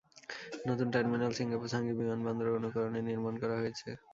নতুন terminal Singapore Changi বিমানবন্দরের অনুকরণে নির্মাণ করা হয়েছে।